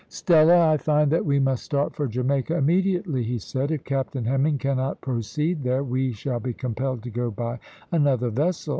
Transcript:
"Stella, I find that we must start for Jamaica immediately," he said. "If Captain Hemming cannot proceed there, we shall be compelled to go by another vessel.